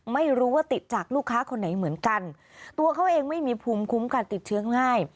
ไม่รู้ว่าติดจากลูกค้าคนไหนเหมือนกันตัวเขาเองไม่มีภูมิคุ้มการติดเชื้อง่าย